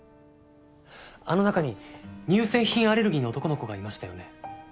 あの中に乳製品アレルギーの男の子がいましたよね？